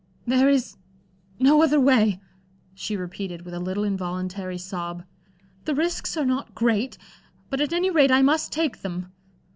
... "There is no other way," she repeated, with a little, involuntary sob. "The risks are not great but, at any rate, I must take them.